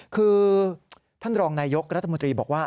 คือท่านรองนายยกรัฐมนตรีบอกว่า